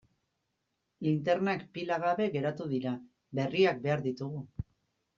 Linternak pila gabe geratu dira, berriak behar ditugu.